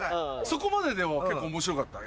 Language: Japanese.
そこまで結構面白かった？